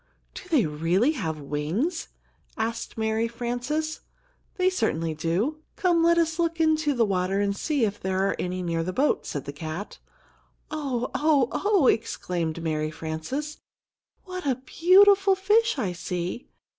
"Do they really have wings?" asked Mary Frances. "They certainly do. Come, let us look into the water and see if there are any near the boat," said the cat. "Oh, oh, oh," exclaimed Mary Frances, "what a beautiful fish I see!